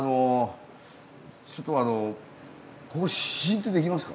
ちょっとあのここ試飲ってできますか？